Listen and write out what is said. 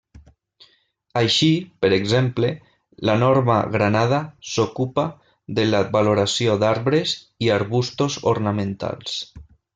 Així, per exemple, la Norma Granada s'ocupa de la valoració d'arbres i arbustos ornamentals.